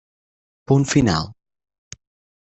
Punt final.